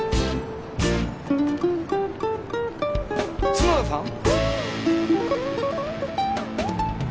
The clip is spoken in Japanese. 角田さん？